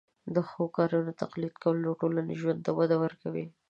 د ښو کارونو تقلید کول ټولنیز ژوند ته وده ورکوي.